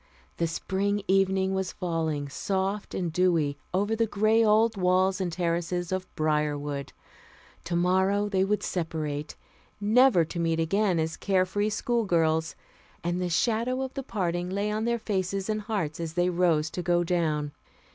The spring evening was falling, soft and dewy, over the gray old walls and terraces of Briarwood. Tomorrow they would separate, never to meet again as care free schoolgirls; and the shadow of the parting lay on their faces and hearts as they rose to go down.